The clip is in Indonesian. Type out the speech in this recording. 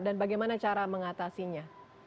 dan bagaimana cara mengatasinya